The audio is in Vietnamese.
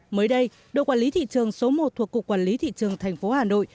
mới đây đội quản lý thị trường số một thuộc cục quản lý thị trường thành phố hà nội